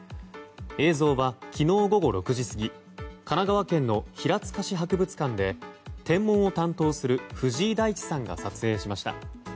映像は昨日午後６時過ぎ神奈川県の平塚市博物館で天文を担当する藤井大地さんが撮影しました。